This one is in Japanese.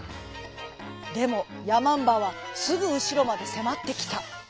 でもやまんばはすぐうしろまでせまってきた。